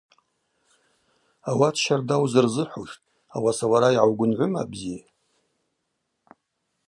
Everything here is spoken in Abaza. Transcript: Ауат щарда узырзыхӏвуштӏ, ауаса уара йгӏаугвынгӏвыма, бзи.